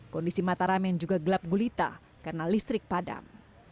kondisi mataram yang juga gelap gulita karena listrik padam